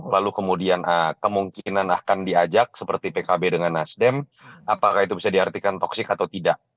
lalu kemudian kemungkinan akan diajak seperti pkb dengan nasdem apakah itu bisa diartikan toxic atau tidak